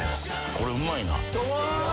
これうまいな。